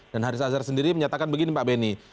dan haris azhar sendiri menyatakan begini pak benny